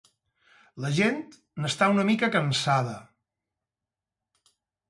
La gent n’està una mica cansada.